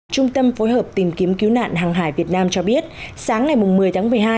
trung tâm phối hợp tìm kiếm cứu nạn hàng hải việt nam cho biết sáng ngày một mươi tháng một mươi hai